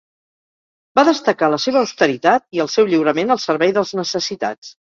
Va destacar la seva austeritat i el seu lliurament al servei dels necessitats.